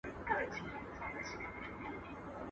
د غریب مُلا آذان ته کله چا وو غوږ نیولی.